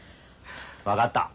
分かった。